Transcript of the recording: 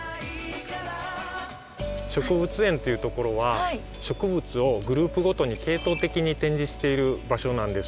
植物園っていうところは植物をグループごとに系統的に展示している場所なんです。